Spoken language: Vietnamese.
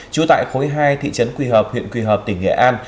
trú tại khối hai thị trấn quỳ hợp huyện quỳ hợp tỉnh nghệ an